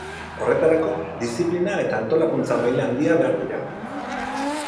Horretarako, diziplina eta antolakuntza maila handia behar dira.